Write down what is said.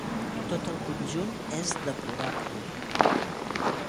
Tot el conjunt és deplorable.